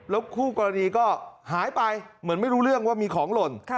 คู่กรณีก็หายไปเหมือนไม่รู้เรื่องว่ามีของหล่น